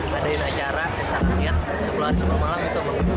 dan adain acara pesta rakyat keluar semua malam itu